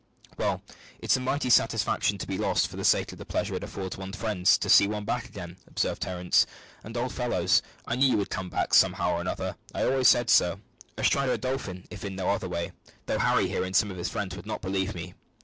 "Well, it's a mighty satisfaction to be lost, for the sake of the pleasure it affords one's friends to see one back again," observed Terence; "and, old fellows, I knew you would come back, somehow or other; I always said so; astride of a dolphin if in no other way, though Harry here and some of our friends would not believe me."